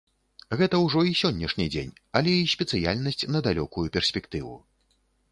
Гэта ўжо і сённяшні дзень, але і спецыяльнасць на далёкую перспектыву.